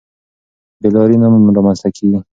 بې لارۍ نه رامنځته کېږي.